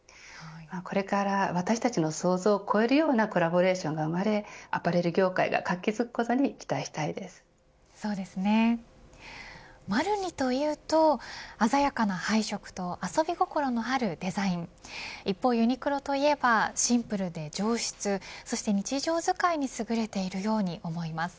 これから私たちの想像を超えるようなコラボレーションが生まれアパレル業界が活気づくことにＭＡＲＮＩというと鮮やかな配色と遊び心のあるデザイン一方ユニクロといえばシンプルで上質そして日常使いにすぐれているように思います。